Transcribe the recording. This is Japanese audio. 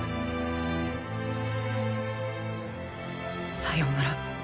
さようなら。